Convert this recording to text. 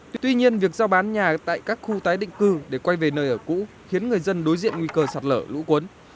tuy nhiên việc giao bán nhà tại các khu tái định cư để quay về nơi ở cũ khiến người dân đối diện nguy cơ sạt lở lũ cuốn